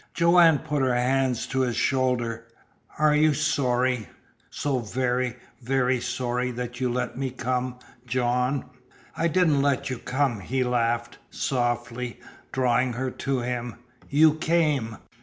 Joanne put her hands to his shoulders. "Are you sorry so very, very sorry that you let me come, John?" "I didn't let you come," he laughed softly, drawing her to him. "You came!"